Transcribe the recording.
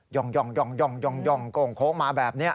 ย่องกลงโคลกมาแบบนี้